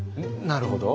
なるほど。